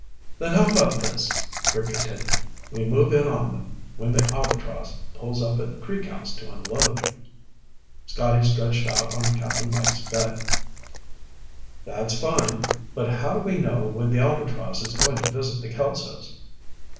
"Then how about this," Rick continued. "We move in on them when the Albatross pulls up at Creek House to unload." Scotty stretched out on Cap'n Mike's bed. "That's fine. But how do we know when the Albatross is going to visit the Kelsos?"